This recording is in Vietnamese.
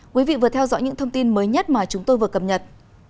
quý vị vừa theo dõi những thông tin mới nhất mà chúng tôi vừa cập nhật